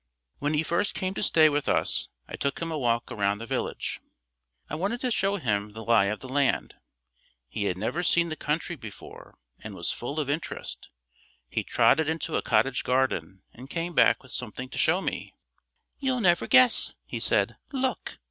When he first came to stay with us I took him a walk round the village. I wanted to show him the lie of the land. He had never seen the country before and was full of interest. He trotted into a cottage garden and came back with something to show me. "You'll never guess," he said. "Look!"